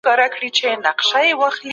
که انلاین درس وي نو درس نه ټکنی کیږي.